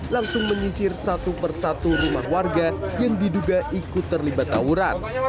langsung menyisir satu persatu rumah warga yang diduga ikut terlibat tawuran